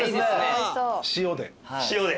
塩で。